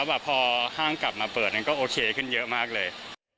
มาเปิดก็โอเคขึ้นเยอะมากเลย